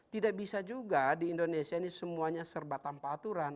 tidak bisa juga di indonesia ini semuanya serba tanpa aturan